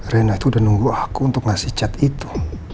rena itu udah nunggu aku untuk ngasih chat itu